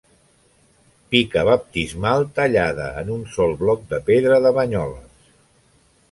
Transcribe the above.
Pica baptismal tallada en un sol bloc de pedra de Banyoles.